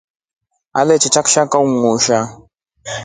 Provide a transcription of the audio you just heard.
Aliteta kishaka undusha.